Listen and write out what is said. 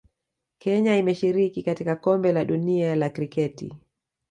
Kenya imeshiriki katika Kombe la Dunia la Kriketi